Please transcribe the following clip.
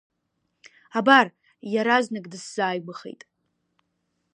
Абар, иаразнак дысзааигәахеит.